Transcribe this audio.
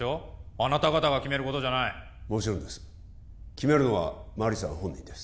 あなた方が決めることじゃないもちろんです決めるのは麻里さん本人です